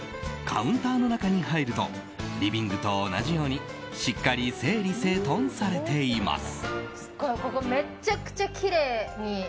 カウンターの中に入るとリビングと同じようにしっかり整理整頓されています。